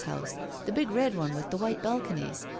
Madder's house, the big red one, with the white balconies.